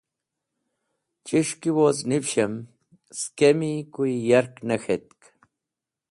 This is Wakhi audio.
Chis̃h ki woz nivishẽm skemi kuyẽ yark ne k̃htk